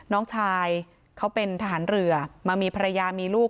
น้องชายเขาเป็นทหารเรือมามีภรรยามีลูก